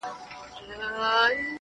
ځوان د سگريټو تسه کړې قطۍ وغورځول_